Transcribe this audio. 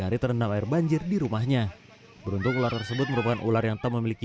hari terendam air banjir di rumahnya beruntung ular tersebut merupakan ular yang tak memiliki